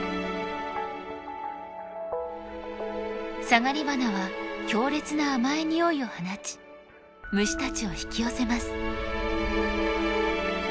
サガリバナは強烈な甘い匂いを放ち虫たちを引き寄せます。